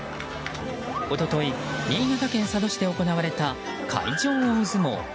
おととい新潟県佐渡市で行われた海上大相撲。